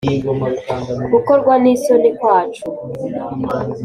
gukorwa n isoni kwacu